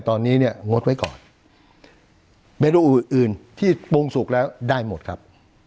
ตอนนี้เนี่ยงดไว้ก่อนเมนูอื่นอื่นที่ปรุงสุกแล้วได้หมดครับ